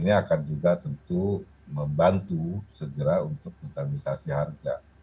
jadi ini akan juga tentu membantu segera untuk entarmisasi harga